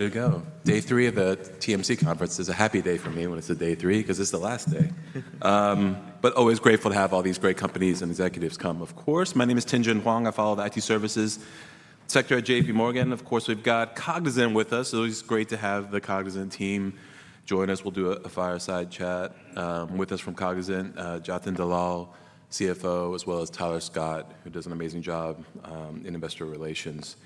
day three of the TMC conference is a happy day for me, when it's day three, because it's the last day. Always grateful to have all these great companies and executives come. Of course, my name is Tien-Tsin Huang. I follow the IT services sector at JPMorgan. Of course, we've got Cognizant with us. It's always great to have the Cognizant team join us. We'll do a fireside chat with us from Cognizant, Jatin Dalal, CFO, as well as Tyler Scott, who does an amazing job in investor relations.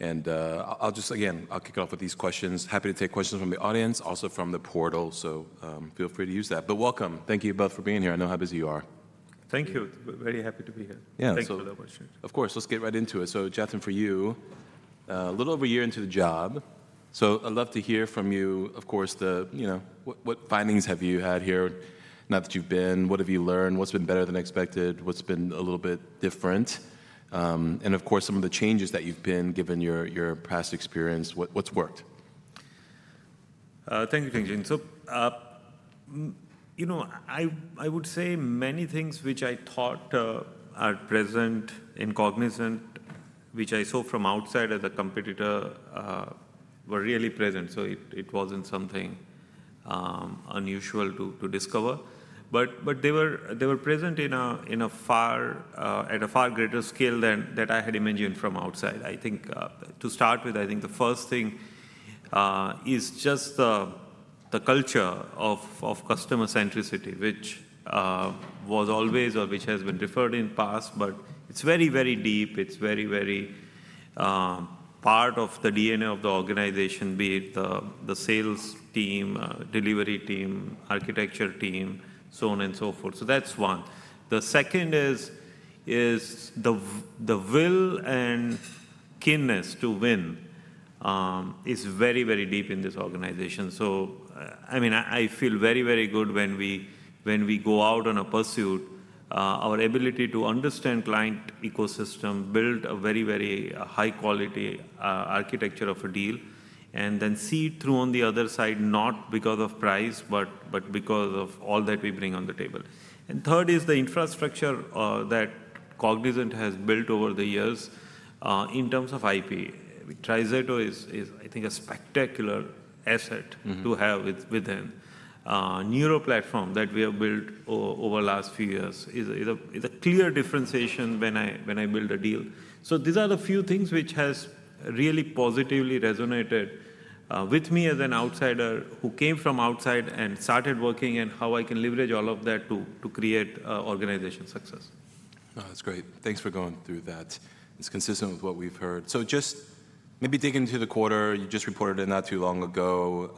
Again, I'll kick off with these questions. Happy to take questions from the audience, also from the portal, so feel free to use that. Welcome, thank you both for being here. I know how busy you are. Thank you. Very happy to be here. Yeah. Thanks for the opportunity. Of course. Let's get right into it. Jatin, for you, a little over a year into the job. I'd love to hear from you, of course, what findings have you had here? Not that you've been, what have you learned? What's been better than expected? What's been a little bit different? Of course, some of the changes that you've been, given your past experience, what's worked? Thank you, Tien-Tsin. I would say many things which I thought are present in Cognizant, which I saw from outside as a competitor, were really present. It was not something unusual to discover. They were present at a far greater scale than I had imagined from outside. I think to start with, the first thing is just the culture of customer centricity, which was always or which has been referred to in the past, but it is very, very deep. It is very, very part of the DNA of the organization, be it the sales team, delivery team, architecture team, so on and so forth. That is one. The second is the will and keenness to win is very, very deep in this organization. I mean, I feel very, very good when we go out on a pursuit, our ability to understand client ecosystem, build a very, very high-quality architecture of a deal and then see through on the other side, not because of price, but because of all that we bring on the table. Third is the infrastructure that Cognizant has built over the years in terms of IP. TriZetto I think is a spectacular asset to have with them. Neuro platform that we have built over the last few years is a clear differentiation when I build a deal. These are the few things which have really positively resonated with me as an outsider who came from outside and started working, and how I can leverage all of that to create organizational success. That's great. Thanks for going through that. It's consistent with what we've heard. Just maybe digging into the quarter, you just reported it not too long ago.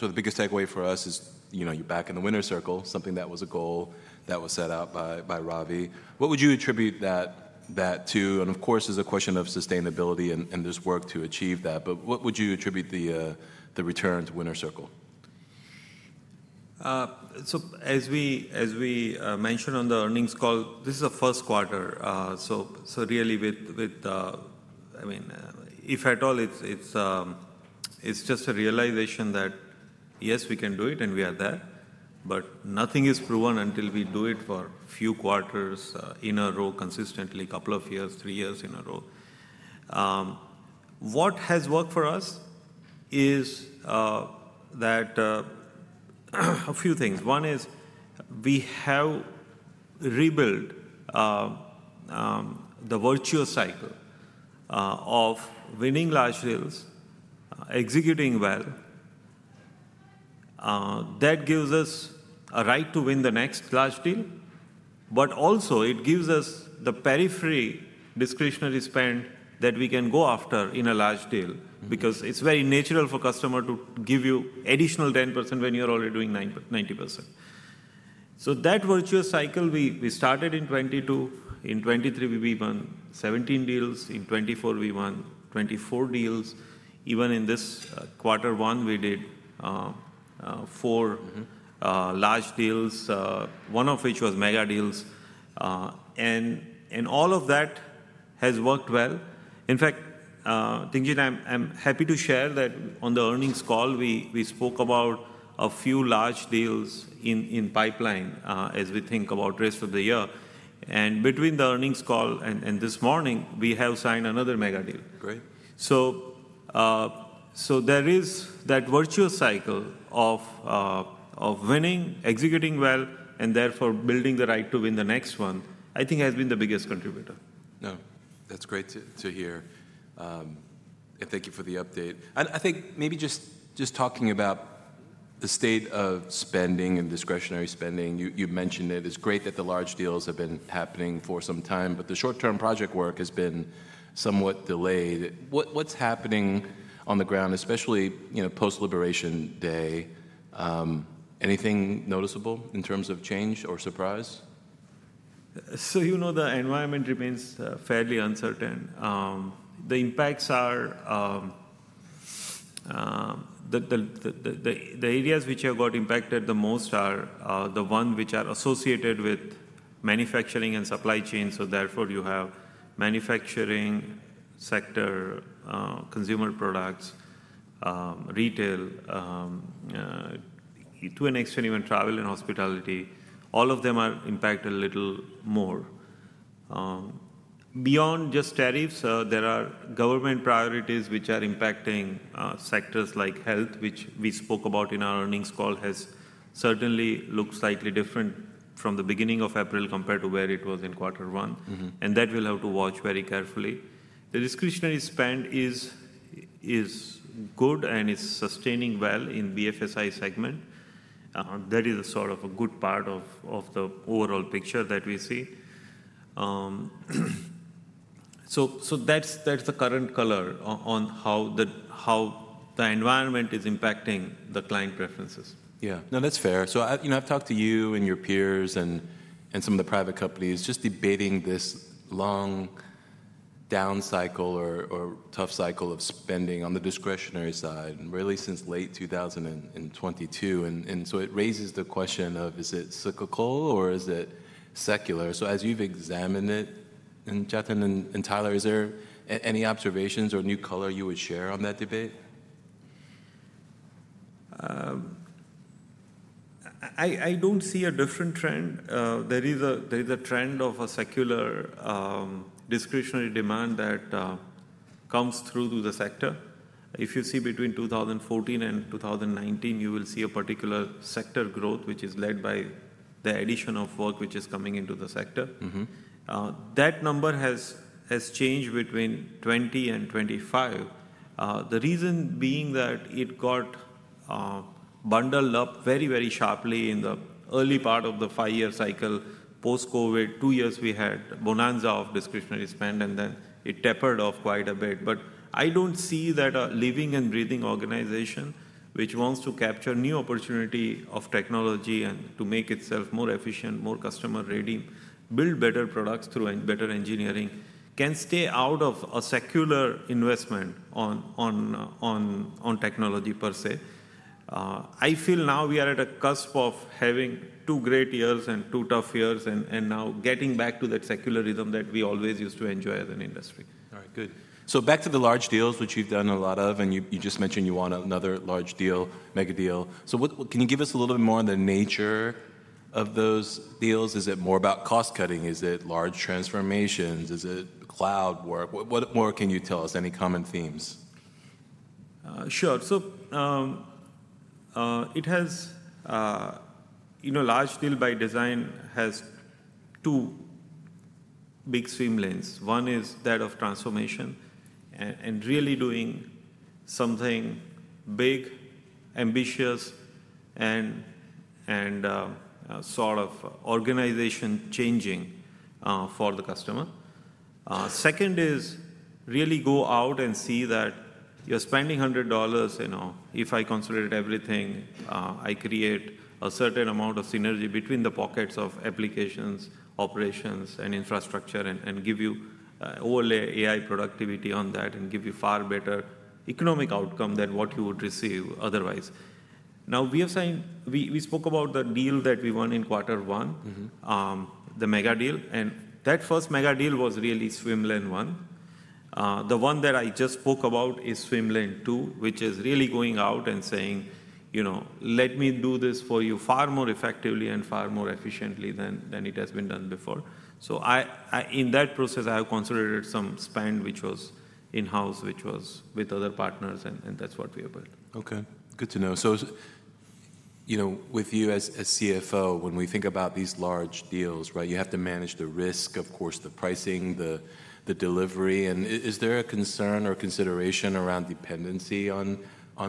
The biggest takeaway for us is, you're back in the winner's circle, something that was a goal that was set out by Ravi. What would you attribute that to? Of course, there's a question of sustainability and this work to achieve that. What would you attribute the return to winner's circle? As we mentioned on the earnings call, this is the first quarter. Really, if at all it's just a realization that, yes, we can do it and we are there. Nothing is proven until we do it for a few quarters in a row consistently, a couple of years, three years in a row. What has worked for us is a few things. One is, we have rebuilt the virtuous cycle of winning large deals, executing well. That gives us a right to win the next large deal. Also, it gives us the periphery discretionary spend that we can go after in a large deal, because it's very natural for customers to give you an additional 10% when you're already doing 90%. That virtuous cycle, we started in 2022. In 2023, we won 17 deals. In 2024, we won 24 deals. Even in this quarter one, we did four large deals, one of which was mega deals. All of that has worked well. In fact, Tien-Tsin, I'm happy to share that on the earnings call, we spoke about a few large deals in pipeline as we think about the rest of the year. Between the earnings call and this morning, we have signed another mega deal. Great. There is that virtuous cycle of winning, executing well, and therefore building the right to win the next one I think has been the biggest contributor. No, that's great to hear. Thank you for the update. I think maybe just talking about the state of spending and discretionary spending, you mentioned it. It's great that the large deals have been happening for some time, but the short-term project work has been somewhat delayed. What's happening on the ground, especially post-liberation day? Anything noticeable in terms of change or surprise? You know the environment remains fairly uncertain. The areas which have gotten impacted the most are the ones which are associated with manufacturing and supply chain. Therefore, you have manufacturing sector, consumer products, retail, to an extent, even travel and hospitality. All of them are impacted a little more. Beyond just tariffs, there are government priorities which are impacting sectors like health, which we spoke about in our earnings call, has certainly looked slightly different from the beginning of April compared to where it was in quarter one and that we'll have to watch very carefully. The discretionary spend is good and is sustaining well in the BFSI segment. That is a sort of a good part of the overall picture that we see. That's the current color on how the environment is impacting the client preferences. Yeah. No, that's fair. I've talked to you and your peers and some of the private companies, just debating this long down cycle or tough cycle of spending on the discretionary side really since late 2022. It raises the question of, is it cyclical or is it secular? As you've examined it, Jatin and Tyler, is there any observations or new color you would share on that debate? I don't see a different trend. There is a trend of a secular discretionary demand that comes through the sector. If you see between 2014 and 2019, you will see a particular sector growth, which is led by the addition of work which is coming into the sector. That number has changed between 2020 and 2025. The reason being that it got bundled up very, very sharply in the early part of the five-year cycle post-COVID. Two years, we had a bonanza of discretionary spend and then it tapered off quite a bit. I don't see that a living and breathing organization which wants to capture new opportunity of technology and to make itself more efficient, more customer-ready, build better products through better engineering, can stay out of a secular investment on technology per se. I feel now we are at a cusp of having two great years and two tough years, and now getting back to that secularism that we always used to enjoy as an industry. All right, good. Back to the large deals, which you've done a lot of, and you just mentioned you won another large deal, mega deal. Can you give us a little bit more on the nature of those deals? Is it more about cost cutting? Is it large transformations? Is it cloud work? What more can you tell us, any common themes? Sure. You know, a large deal by design, has two big streamlines. One is that of transformation and really doing something big, ambitious, and sort of organization-changing for the customer. Second is really go out and see that you're spending $100. You know, if I considered everything, I create a certain amount of synergy between the pockets of applications, operations, and infrastructure and give you overlay AI productivity on that, and give you far better economic outcome than what you would receive otherwise. Now, we have signed, we spoke about the deal that we won in quarter one, the mega deal. That first mega deal was really swim lane one. The one that I just spoke about is swim lane two, which is really going out and saying, you know, let me do this for you far more effectively and far more efficiently than it has been done before. In that process, I have considered some spend, which was in-house, which was with other partners and that's what we have built. Okay, good to know. With you as CFO, when we think about these large deals, you have to manage the risk, of course the pricing, the delivery. Is there a concern or consideration around dependency on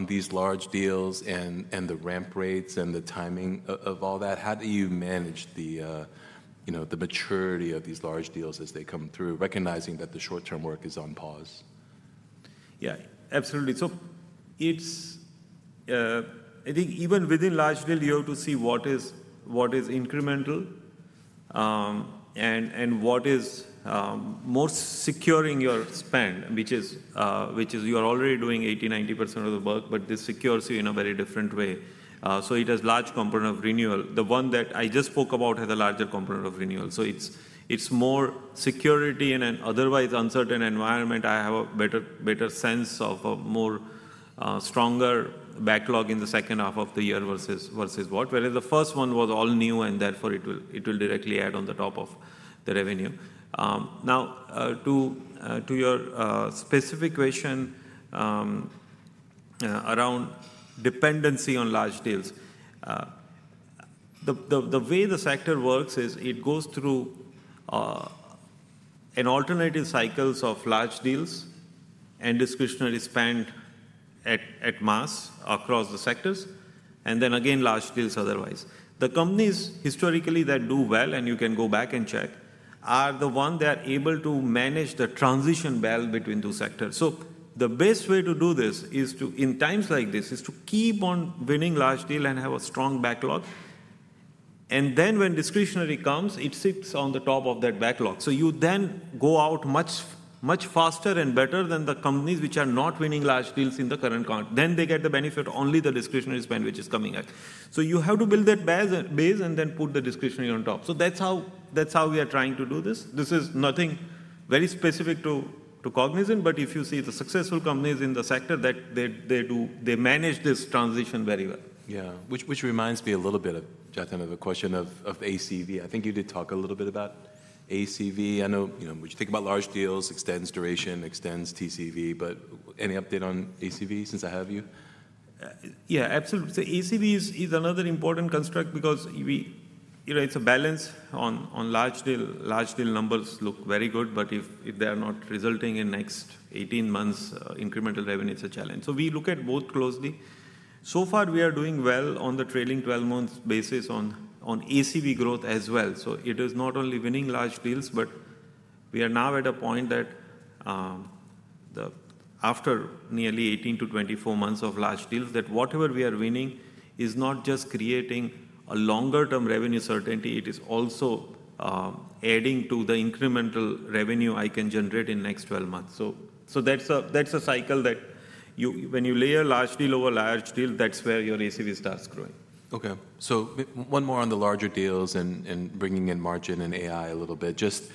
these large deals, and the ramp rates and the timing of all that? How do you manage the maturity of these large deals as they come through, recognizing that the short-term work is on pause? Yeah, absolutely. I think even within large deal, you have to see what is incremental and what is most securing your spend, which is, you're already doing 80%-90% of the work, but this secures you in a very different way. It has a large component of renewal. The one that I just spoke about has a larger component of renewal. It is more security in an otherwise uncertain environment. I have a better sense of a more stronger backlog in the second half of the year versus. Whereas the first one was all new, and therefore it will directly add on the top of the revenue. Now, to your specific question around dependency on large deals, the way the sector works is, it goes through alternative cycles of large deals and discretionary spend at mass across the sectors and then again large deals otherwise. The companies, historically, that do well, and you can go back and check, are the ones that are able to manage the transition well between two sectors. The best way to do this in times like this, is to keep on winning large deals and have a strong backlog. When discretionary comes, it sits on the top of that backlog. You then go out much faster and better than the companies which are not winning large deals in the current context. They get the benefit only of the discretionary spend which is coming out. You have to build that base and then put the discretionary on top. That is how we are trying to do this. This is nothing very specific to Cognizant, but if you see the successful companies in the sector, they manage this transition very well. Yeah. Which reminds me a little bit of, Jatin, of a question of ACV. I think you did talk a little bit about ACV. I know when you think about large deals, extends duration, extends TCV, but any update on ACV, since I have you? Yeah, absolutely. ACV is another important construct because it's a balance on large deal. Large deal numbers look very good, but if they are not resulting in next 18 months' incremental revenue, it's a challenge. We look at both closely. So far, we are doing well on the trailing 12 months' basis on ACV growth as well. It is not only winning large deals, but we are now at a point that after nearly 18-24 months of large deals, whatever we are winning is not just creating a longer-term revenue certainty. It is also adding to the incremental revenue I can generate in the next 12 months. That's a cycle that, when you layer large deal over large deal, that's where your ACV starts growing. Okay. One more on the larger deals, and bringing in margin and AI a little bit. Just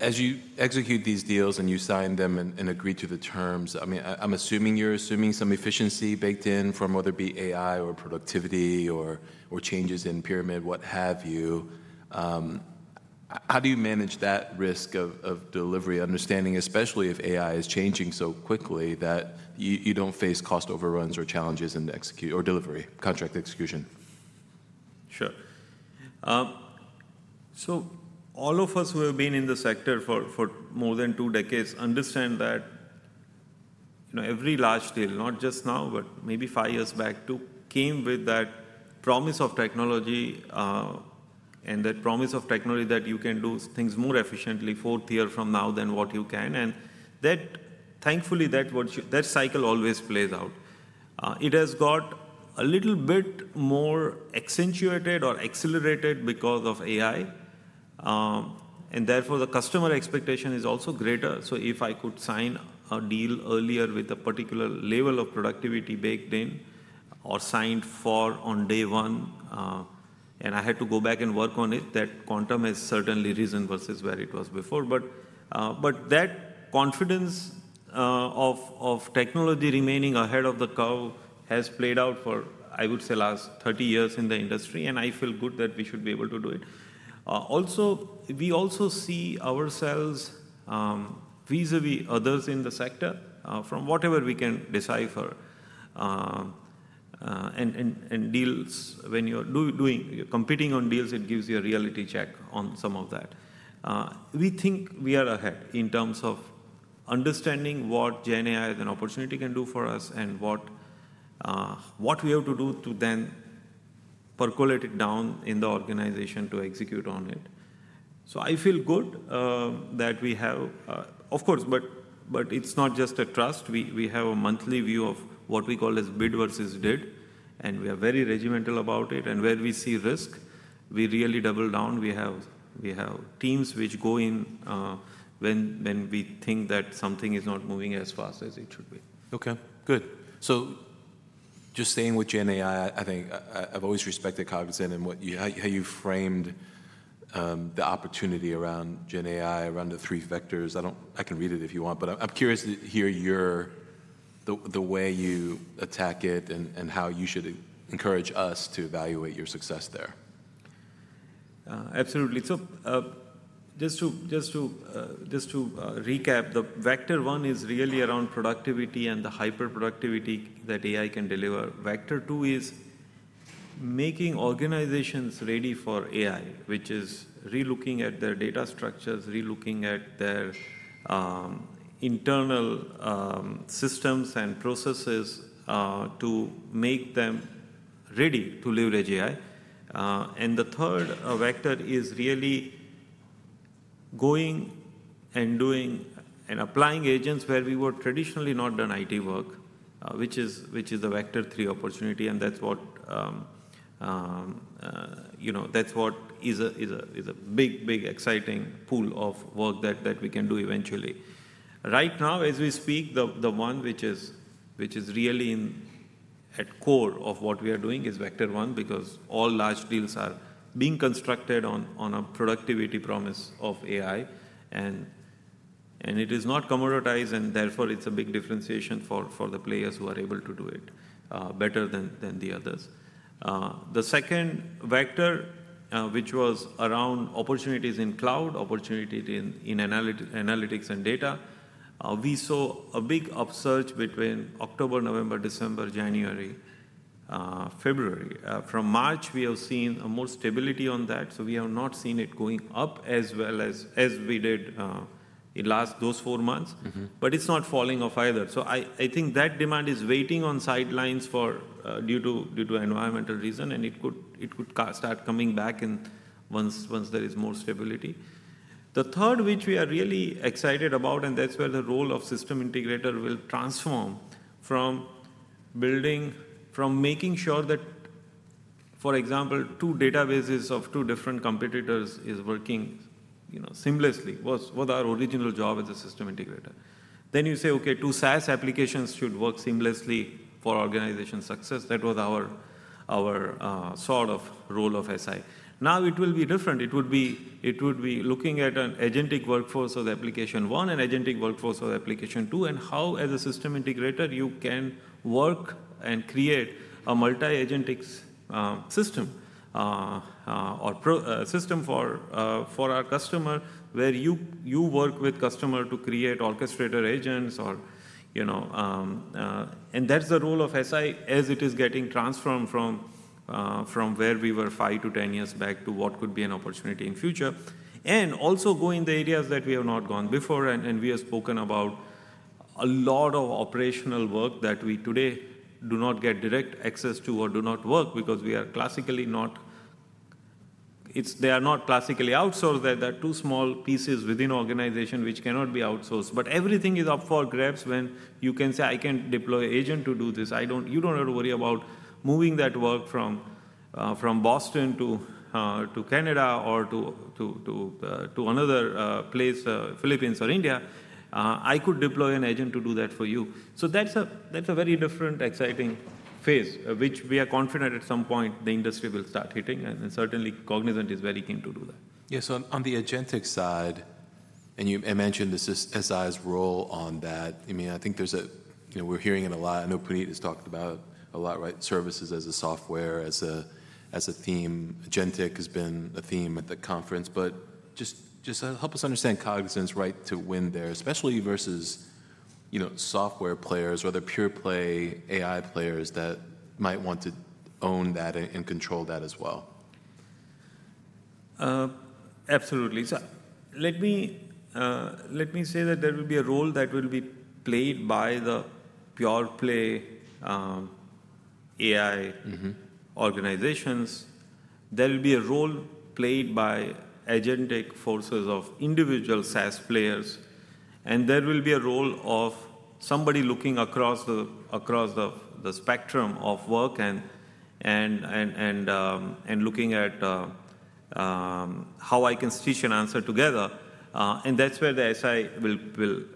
as you execute these deals and you sign them and agree to the terms, I mean, I'm assuming you're assuming some efficiency baked in from whether it be AI or productivity or changes in pyramid, what have you. How do you manage that risk of delivery understanding, especially if AI is changing so quickly that you don't face cost overruns or challenges in delivery contract execution? Sure. All of us who have been in the sector for more than two decades understand that every large deal, not just now, but maybe five years back, came with that promise of technology and that promise of technology that you can do things more efficiently fourth year from now than what you can. Thankfully, that cycle always plays out. It has got a little bit more accentuated or accelerated because of AI. Therefore, the customer expectation is also greater. If I could sign a deal earlier with a particular level of productivity baked in or signed for on day one, and I had to go back and work on it, that quantum has certainly risen versus where it was before. That confidence of technology remaining ahead of the curve has played out for, I would say the last 30 years in the industry. I feel good that we should be able to do it. Also, we also see ourselves vis-à-vis others in the sector, from whatever we can decipher and deals, when you're competing on deals, it gives you a reality check on some of that. We think we are ahead in terms of understanding what GenAI as an opportunity can do for us, and what we have to do to then percolate it down in the organization to execute on it. I feel good of course, but it's not just a trust. We have a monthly view of what we call as bid versus did, and we are very regimental about it. Where we see risk, we really double down. We have teams which go in when we think that something is not moving as fast as it should be. Okay, good. Just staying with GenAI, I think I've always respected Cognizant and how you framed the opportunity around GenAI, around the three vectors. I can read it if you want, but I'm curious to hear the way you attack it and how you should encourage us to evaluate your success there. Absolutely. Just to recap, the vector one is really around productivity and the hyperproductivity that AI can deliver. Vector two is making organizations ready for AI, which is re-looking at their data structures, re-looking at their internal systems and processes to make them ready to leverage AI. The third vector is really going and doing and applying agents where we we've traditionally not done IT work, which is the vector three opportunity. That is what is a big, big exciting pool of work that we can do eventually. Right now, as we speak, the one which is really at core of what we are doing is vector onel because all large deals are being constructed on a productivity promise of AI. It is not commoditized, and therefore, it's a big differentiation for the players who are able to do it better than the others. The second vector, which was around opportunities in cloud, opportunity in analytics and data, we saw a big upsurge between October, November, December, January, February. From March, we have seen more stability on that. We have not seen it going up as well as we did in those four months, but it is not falling off either. I think that demand is waiting on sidelines due to environmental reasons, and it could start coming back once there is more stability. The third, which we are really excited about, and that is where the role of system integrator will transform from making sure that for example, two databases of two different competitors are working seamlessly, was our original job as a system integrator. You say, okay, two SaaS applications should work seamlessly for organization success. That was our sort of role of SI, now it will be different. It would be looking at an agentic workforce of application one and agentic workforce of application two, and how as a system integrator, you can work and create a multi-agentic system or system for our customer, where you work with customer to create orchestrator agents. That is the role of SI as it is getting transformed from where we were five to 10 years back to what could be an opportunity in future. Also, going the areas that we have not gone before. We have spoken about a lot of operational work, that we today do not get direct access to or do not work because they are not classically outsourced. There are two small pieces within the organization which cannot be outsourced. Everything is up for grabs when you can say, I can deploy an agent to do this. You don't have to worry about moving that work from Boston to Canada or to another place, Philippines or India. I could deploy an agent to do that for you. That is a very different, exciting phase, which we are confident at some point the industry will start hitting. Certainly, Cognizant is very keen to do that. Yeah. On the agentic side, and you mentioned this is SI's role on that, I mean, I think we're hearing it a lot. I know Puneet has talked about it a lot, right? Services as a software, as a theme. Agentic has been a theme at the conference. Just help us understand Cognizant's right to win there, especially versus software players or the pure play AI players that might want to own that and control that as well. Absolutely. Let me say that there will be a role that will be played by the pure-play AI organizations. There will be a role played by agentic forces of individual SaaS players. There will be a role of somebody looking across the spectrum of work and looking at how I can stitch an answer together. That is where the SI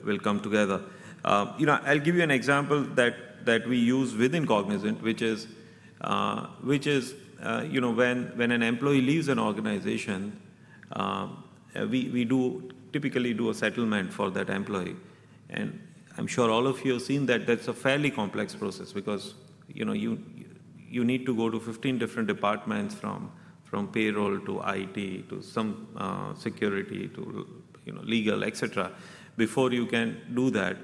will come together. I'll give you an example that we use within Cognizant, which is, when an employee leaves an organization, we typically do a settlement for that employee. I'm sure all of you have seen that that is a fairly complex process because you need to go to 15 different departments, from payroll to IT, to security, to legal, etc, before you can do that.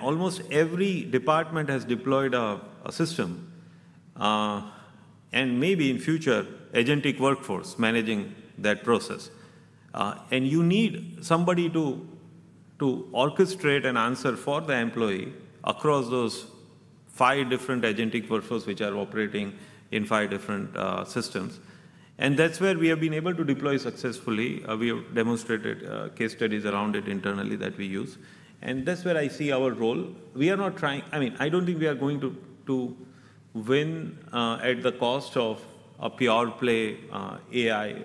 Almost every department has deployed a system, and maybe in future, agentic workforce managing that process. You need somebody to orchestrate an answer for the employee across those five different agentic workforces which are operating in five different systems. That is where we have been able to deploy successfully. We have demonstrated case studies around it internally that we use. That is where I see our role. I mean, I do not think we are going to win at the cost of a pure-play AI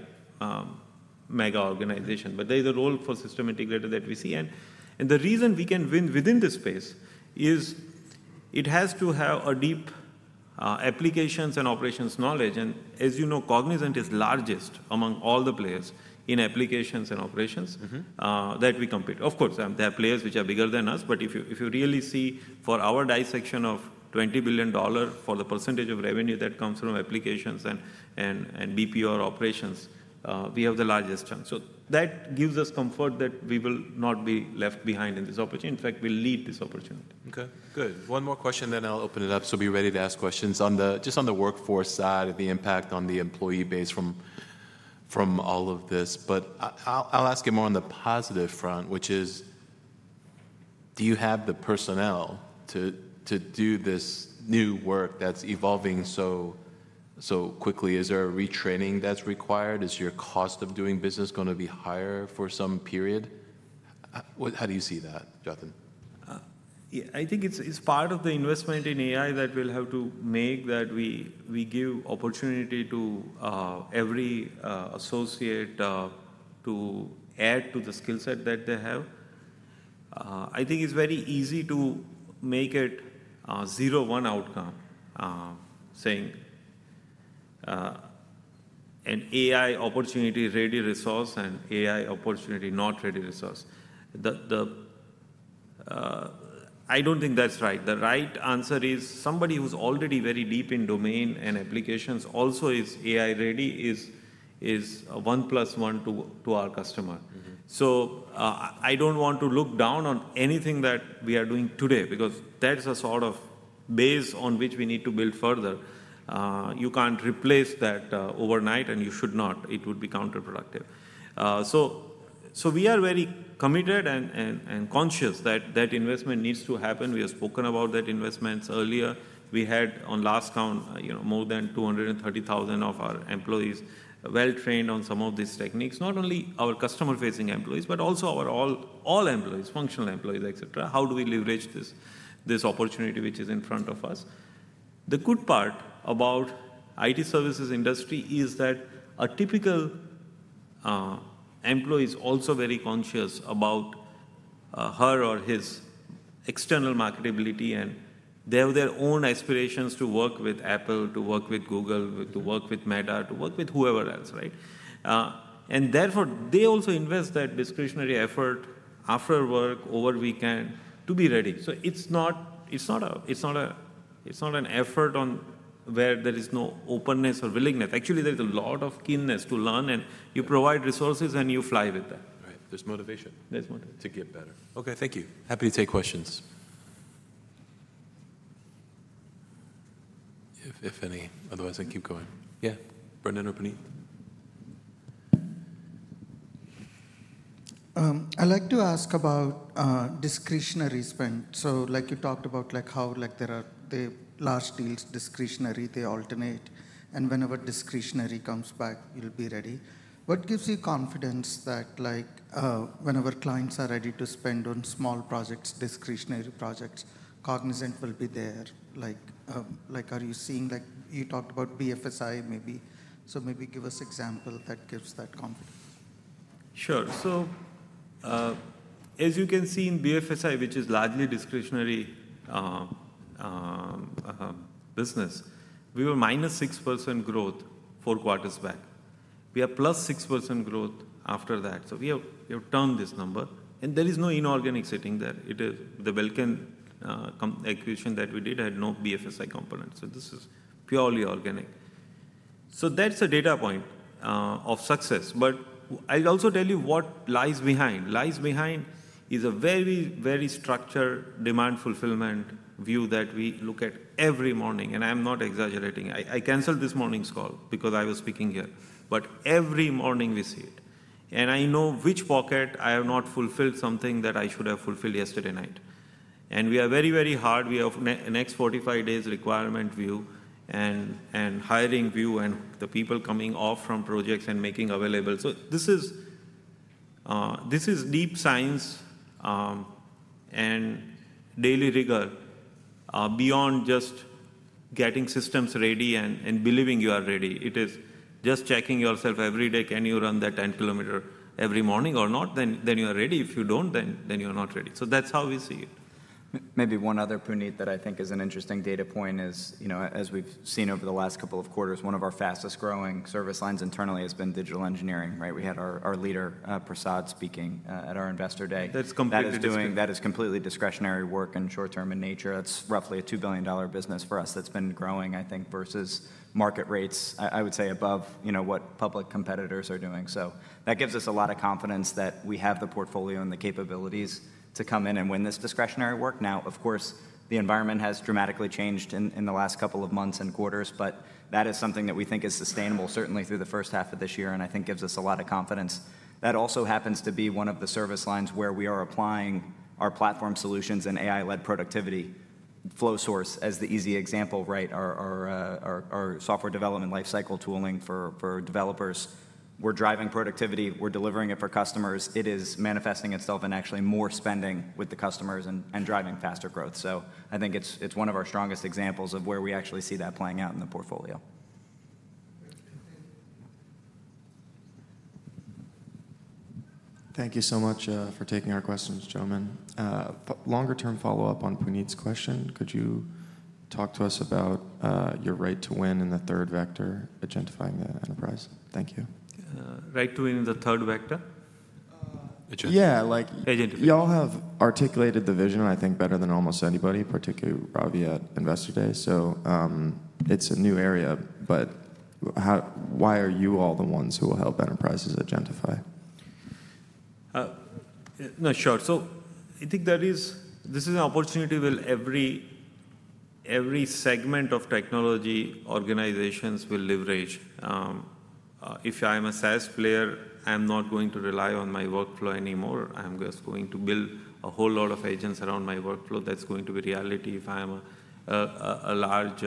mega organization. There is a role for system integrator that we see. The reason we can win within this space is, it has to have a deep applications and operations knowledge. As you know, Cognizant is largest among all the players in applications and operations that we compete. Of course, there are players which are bigger than us, but if you really see for our dissection of $20 billion for the percent of revenue that comes from applications and BPO operations, we have the largest chunk. That gives us comfort that we will not be left behind in this opportunity. In fact, we'll lead this opportunity. Okay, good. One more question, then I'll open it up, so be ready to ask questions. Just on the workforce side and the impact on the employee base from all of this, I'll ask you more on the positive front, which is, do you have the personnel to do this new work that's evolving so quickly? Is there a retraining that's required? Is your cost of doing business going to be higher for some period? How do you see that, Jatin? Yeah. I think it's part of the investment in AI that we'll have to make, that we give opportunity to every associate to add to the skill set that they have. I think it's very easy to make it a zero-one outcome saying, an AI opportunity ready resource and AI opportunity not ready resource. I don't think that's right. The right answer is, somebody who's already very deep in domain and applications also is AI-ready is a one plus one to our customer. I don't want to look down on anything that we are doing today, because that's a sort of base on which we need to build further. You can't replace that overnight, and you should not. It would be counterproductive. We are very committed and conscious that that investment needs to happen. We have spoken about that investments earlier. We had on last count, more than 230,000 of our employees well-trained on some of these techniques, not only our customer-facing employees, but also all employees, functional employees, et cetera. How do we leverage this opportunity which is in front of us? The good part about the IT services industry is that a typical employee is also very conscious about her or his external marketability, and they have their own aspirations to work with Apple, to work with Google, to work with Meta, to work with whoever else, right? Therefore, they also invest that discretionary effort after work, over the weekend, to be ready. It is not an effort where there is no openness or willingness. Actually, there is a lot of keenness to learn, and you provide resources and you fly with that. Right, there's motivation. There's motivation. To get better. Okay, thank you. Happy to take questions, if any. Otherwise, I can keep going. Yeah, [Brian or Puneet]. I'd like to ask about discretionary spend. Like you talked about, how the large deals, discretionary, they alternate, and whenever discretionary comes back, you'll be ready. What gives you confidence that whenever clients are ready to spend on small projects, discretionary projects, Cognizant will be there? You talked about BFSI maybe. Maybe give us an example that gives that confidence. Sure. As you can see in BFSI, which is largely discretionary business, we were -6% growth four quarters back. We are +6% growth after that. We have turned this number, and there is no inorganic sitting there. The Belcan acquisition that we did had no BFSI component. This is purely organic. That's a data point of success. I will also tell you what lies behind. Lies behind is a very, very structured demand fulfillment view that we look at every morning. I am not exaggerating. I canceled this morning's call because I was speaking here. Every morning we see it. I know which pocket I have not fulfilled, something that I should have fulfilled yesterday night. We are very, very hard. We have next 45 days requirement view, and hiring view and the people coming off from projects and making available. This is deep science and daily rigor beyond just getting systems ready, and believing you are ready. It is just checking yourself every day, can you run that 10 km every morning or not? You are ready if you do. If you do not, you are not ready. That is how we see it. Maybe one other, Puneet, that I think is an interesting data point is, as we've seen over the last couple of quarters, one of our fastest growing service lines internally has been digital engineering, right? We had our leader, Prasad, speaking at our Investor Day. That's completely. That is completely discretionary work and short-term in nature. That's roughly a $2 billion business for us that's been growing, I think versus market rates, I would say above what public competitors are doing. That gives us a lot of confidence that we have the portfolio and the capabilities to come in and win this discretionary work. Now, of course, the environment has dramatically changed in the last couple of months and quarters, but that is something that we think is sustainable, certainly through the first half of this year and I think gives us a lot of confidence. That also happens to be one of the service lines where we are applying our platform solutions and AI-led productivity flow source, as the easy example, right? Our software development lifecycle tooling for developers. We're driving productivity. We're delivering it for customers. It is manifesting itself in actually more spending with the customers and driving faster growth. I think it's one of our strongest examples of where we actually see that playing out in the portfolio. Thank you so much for taking our questions, gentlemen. Longer-term follow-up on Puneet's question. Could you talk to us about your right to win in the third vector, agentifying the enterprise? Thank you. Right to win in the third vector? [Agentification]. Yeah. You all have articulated the vision, I think, better than almost anybody, particularly probably at investor day. It is a new area, but why are you all the ones who will help enterprises agentify? No, sure. I think this is an opportunity where every segment of technology organizations will leverage. If I'm a SaaS player, I'm not going to rely on my workflow anymore. I'm just going to build a whole lot of agents around my workflow. That's going to be reality. If I'm a large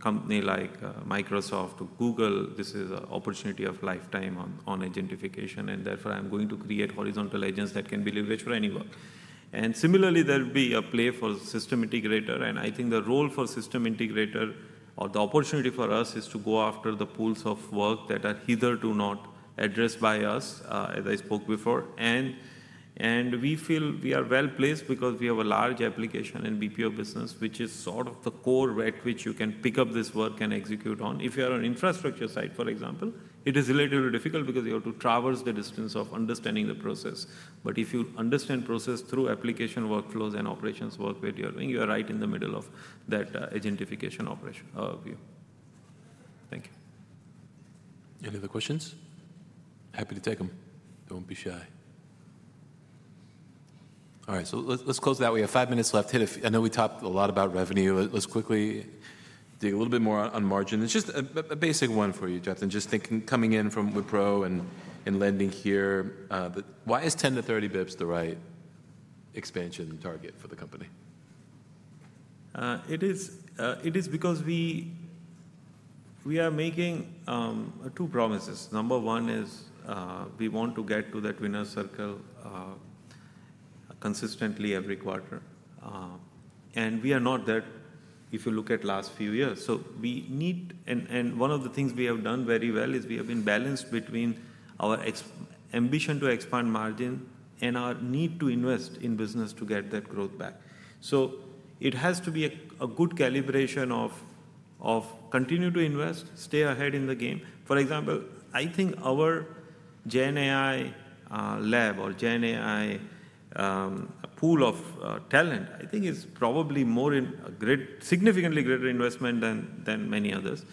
company like Microsoft or Google, this is an opportunity of a lifetime on agentification. Therefore, I'm going to create horizontal agents that can be leveraged for any work. Similarly, there will be a play for system integrator. I think the role for system integrator or the opportunity for us is to go after the pools of work that are hitherto not addressed by us, as I spoke before. We feel we are well placed because we have a large application and BPO business, which is sort of the core at which you can pick up this work and execute on. If you're on infrastructure side, for example, it is a little difficult because you have to traverse the distance of understanding the process. If you understand process through application workflows and operations work that you're doing, you're right in the middle of that agentification operation view. Thank you. Any other questions? Happy to take them. Don't be shy. All right, let's close it out. We have five minutes left. I know we talked a lot about revenue. Let's quickly do a little bit more on margin. It's just a basic one for you, Jatin. Just thinking coming in from Wipro and landing here, why is 10-30 basis points the right expansion target for the company? It is because we are making two promises. Number one is we want to get to that winner's circle consistently every quarter. We are not that if you look at the last few years. One of the things we have done very well is we have been balanced between our ambition to expand margin, and our need to invest in business to get that growth back. It has to be a good calibration of, continue to invest, stay ahead in the game. For example, I think our GenAI lab or GenAI pool of talent, I think is probably a significantly greater investment than many others.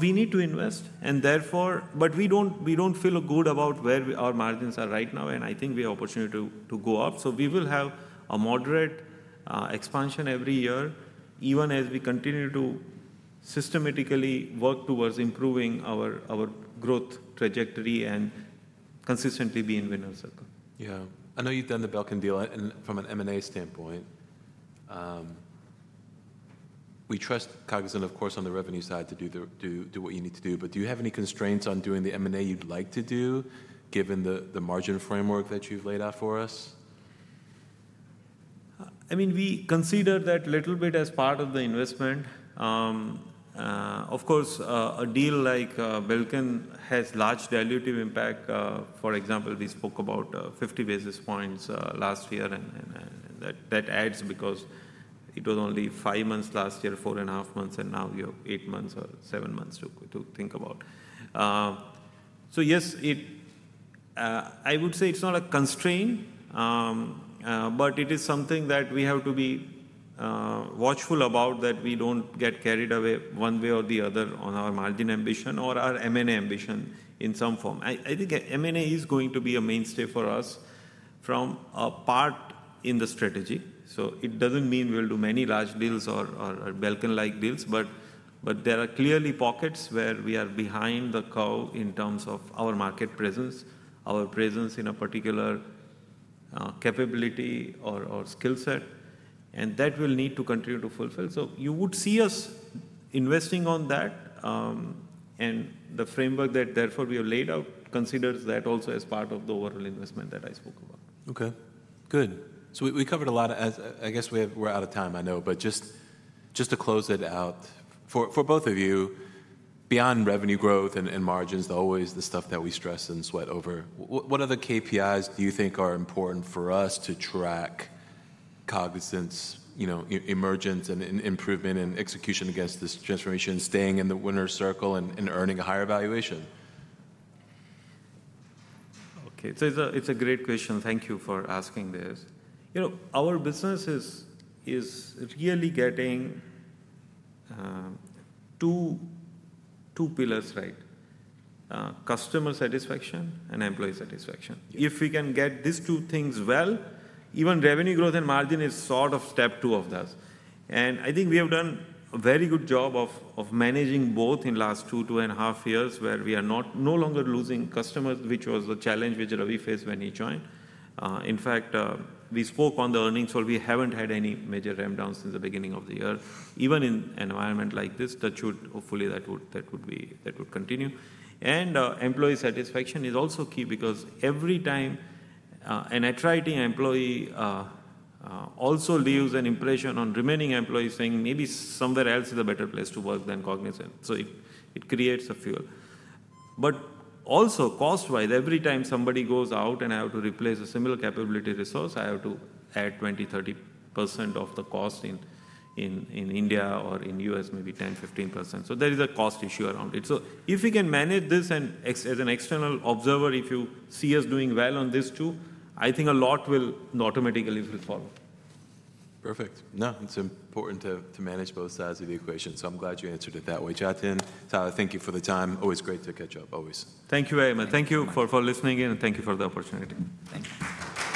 We need to invest, but we do not feel good about where our margins are right now and I think we have an opportunity to go up. We will have a moderate expansion every year, even as we continue to systematically work towards improving our growth trajectory and consistently be in the winner's circle. Yeah. I know you've done the Belcan deal from an M&A standpoint. We trust Cognizant, of course on the revenue side to do what you need to do. Do you have any constraints on doing the M&A you'd like to do, given the margin framework that you've laid out for us? I mean, we consider that a little bit as part of the investment. Of course, a deal like Belcan has large valuative impact. For example, we spoke about 50 basis points last year, and that adds because it was only five months last year, four and a half months, and now you have eight months or seven months to think about. Yes, I would say it's not a constraint, but it is something that we have to be watchful about that we don't get carried away one way or the other on our margin ambition, or our M&A ambition in some form. I think M&A is going to be a mainstay for us from a part in the strategy. It does not mean we will do many large deals or Belcan-like deals, but there are clearly pockets where we are behind the curve in terms of our market presence, our presence in a particular capability or skill set, and that we will need to continue to fulfill. You would see us investing on that, and the framework that therefore we have laid out considers that also as part of the overall investment that I spoke about. Okay, good. We covered a lot. I guess we're out of time, I know, but just to close it out. For both of you, beyond revenue growth and margins, always the stuff that we stress and sweat over, what other KPIs do you think are important for us to track Cognizant's emergence and improvement, and execution against this transformation, staying in the winner's circle and earning a higher valuation? Okay, it's a great question. Thank you for asking this. Our business is really getting two pillars, right? Customer satisfaction and employee satisfaction, if we can get these two things well, even revenue growth and margin is sort of step two of that. I think we have done a very good job of managing both in the last two, two and a half years, where we are no longer losing customers, which was the challenge which Ravi faced when he joined. In fact, we spoke on the earnings, we haven't had any major rundowns since the beginning of the year, even in an environment like this. That should hopefully continue. Employee satisfaction is also key because every time, an employee also leaves an impression on remaining employees, saying maybe somewhere else is a better place to work than Cognizant. It creates a [fuel]. Also cost-wise, every time somebody goes out and I have to replace a similar capability resource, I have to add 20%-30% of the cost in India or in the U.S., maybe 10%-15%. There is a cost issue around it. If we can manage this as an external observer, if you see us doing well on this too, I think a lot will automatically follow. Perfect. No, it's important to manage both sides of the equation. I'm glad you answered it that way. Jatin, Tyler, thank you for the time. Always great to catch up, always. Thank you very much. Thank you for listening in, and thank you for the opportunity. Thank you.